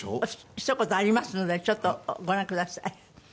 ひと言ありますのでちょっとご覧ください。